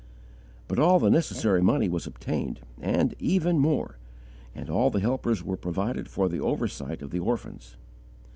But all the necessary money was obtained, and even more, and all the helpers were provided for the oversight of the orphans.